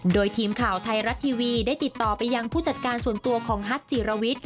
โดยทีมข่าวไทยรัฐทีวีได้ติดต่อไปยังผู้จัดการส่วนตัวของฮัทจิรวิทย์